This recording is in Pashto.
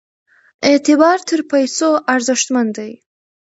اعتبار تر پیسو ارزښتمن دی.